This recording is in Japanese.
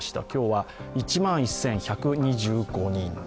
今日は１万１１２５人です。